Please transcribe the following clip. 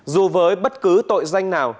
dù với bất cứ tội danh nào